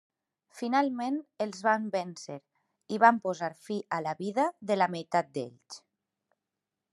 Finalment, els van vèncer, i van posar fi a la vida de la meitat d'ells.